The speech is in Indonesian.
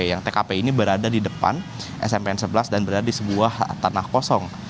yang tkp ini berada di depan smpn sebelas dan berada di sebuah tanah kosong